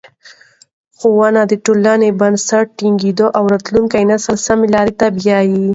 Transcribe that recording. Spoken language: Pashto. ښوونه د ټولنې بنسټ ټینګوي او راتلونکی نسل سم لوري ته بیايي.